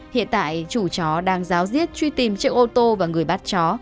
hiện tại chủ chó đang giáo diết truy tìm chiếc ô tô và người bắt chó